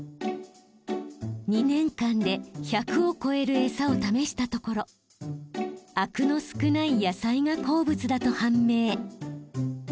２年間で１００を超える餌を試したところあくの少ない野菜が好物だと判明。